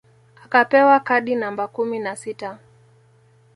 Akapewa kadi namba kumi na sita